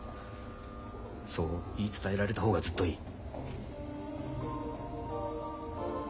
そう言い伝えられた方がずっといい。